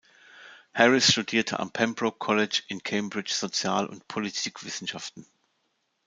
Harris studierte am Pembroke College in Cambridge Sozial- und Politikwissenschaften.